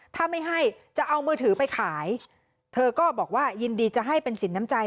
ถ้าไม่ให้จะเอามือถือไปขายเธอก็บอกว่ายินดีจะให้เป็นสินน้ำใจ